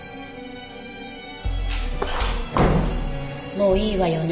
もういいわよね。